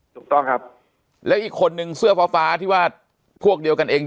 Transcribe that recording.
ถูกต้องครับแล้วอีกคนนึงเสื้อฟ้าฟ้าที่ว่าพวกเดียวกันเอง